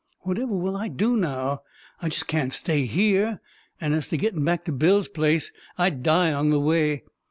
Whatever will I do now? I just can't stay here; and, as to gettin' back to Bill's place, I'd die on the way."